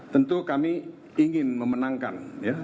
tentu kami ingin memenangkan